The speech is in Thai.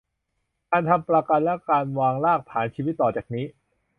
การทำประกันและการวางรากฐานชีวิตต่อจากนี้